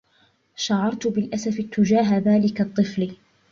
شعرت بالأسف تجاه ذلك الطفل.